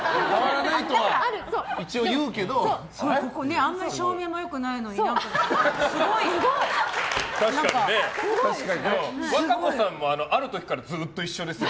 あんまり照明も良くないのに和歌子さんも、ある時からずっと一緒ですよ。